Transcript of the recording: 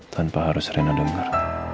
tanpa harus rena dengar